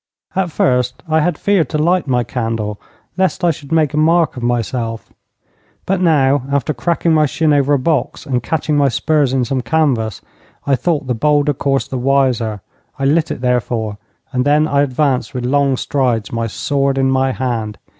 At first I had feared to light my candle lest I should make a mark of myself, but now, after cracking my shin over a box, and catching my spurs in some canvas, I thought the bolder course the wiser. I lit it, therefore, and then I advanced with long strides, my sword in my hand.